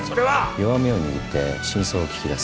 弱みを握って真相を聞き出す。